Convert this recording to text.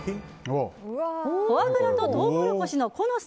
フォアグラとトウモロコシのコノス